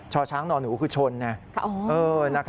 ชช้างนหนูคือชน